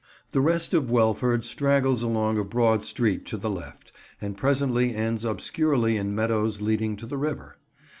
The rest of Welford straggles along a broad street to the left, and presently ends obscurely in meadows leading to the river.